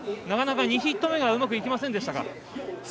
なかなか２ヒット目がうまくいきませんでしたか。